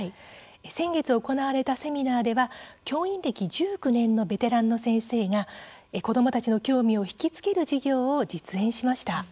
先月、行われたセミナーでは教員歴１９年のベテランの先生が子どもたちの興味をひきつける授業を実演しました。